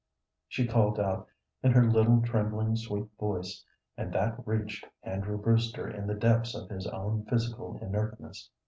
she called out in her little, trembling, sweet voice, and that reached Andrew Brewster in the depths of his own physical inertness.